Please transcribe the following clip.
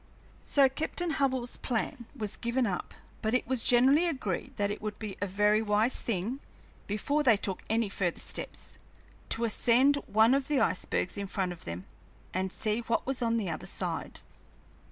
So Captain Hubbell's plan was given up, but it was generally agreed that it would be a very wise thing, before they took any further steps, to ascend one of the icebergs in front of them and see what was on the other side.